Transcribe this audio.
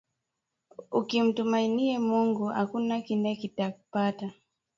Ukimtumainiye Mungu akuna kile kita kupata